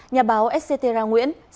nhà báo etcetera nguyễn